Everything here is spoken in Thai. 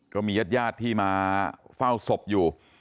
ก็มีญาติญาติที่มาเฝ้าศพอยู่